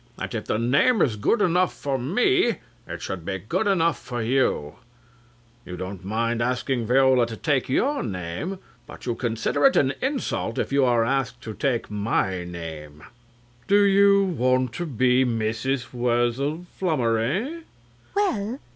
That if the name is good enough for me, it should be good enough for you. You don't mind asking Viola to take your name, but you consider it an insult if you are asked to take my name. RICHARD (miserably to VIOLA). Do you want to be Mrs. Wurzel Flummery?